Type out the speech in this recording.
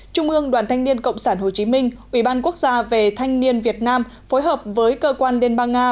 trung ương đoàn thanh niên cộng sản hồ chí minh ubnd về thanh niên việt nam phối hợp với cơ quan liên bang nga